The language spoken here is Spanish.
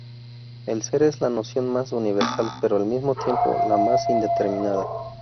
El ser es la noción más universal, pero al mismo tiempo la más indeterminada.